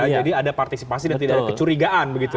jadi ada partisipasi dan tidak ada kecurigaan begitu